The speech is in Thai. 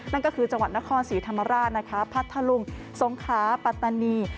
นั่นก็คือจังหวัดนครศรีธรรมราชนะคะพัทธลุงสงขาปัตตานี